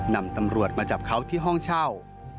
นำตำรวจมาจับเขาที่ห้องเช่า